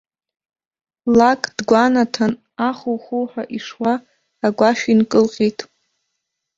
Лак дгәанаҭан, аху-хуҳәа ишуа, агәашә инкылҟьеит.